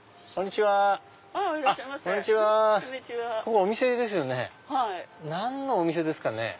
ここお店ですよね何のお店ですかね？